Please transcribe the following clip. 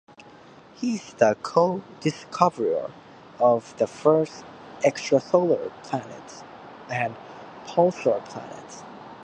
He is the co-discoverer of the first extrasolar planets and pulsar planets.